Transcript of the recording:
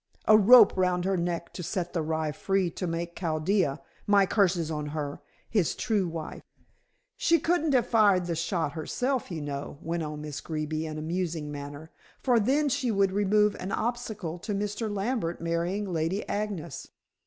A rope round her neck to set the rye free to make Chaldea my curses on her his true wife." "She couldn't have fired the shot herself, you know," went on Miss Greeby in a musing manner. "For then she would remove an obstacle to Mr. Lambert marrying Lady Agnes."